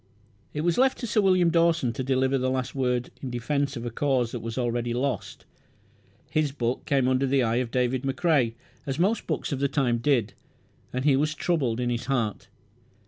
It was left to Sir William Dawson to deliver the last word in defence of a cause that was already lost. His book came under the eye of David McCrae, as most books of the time did, and he was troubled in his heart.